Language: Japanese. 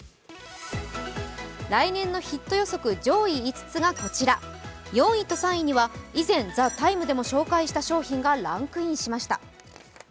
来年のヒット予測上位５つがこちら４位と３位には以前「ＴＨＥＴＩＭＥ，」でも紹介した商品がランクインしました。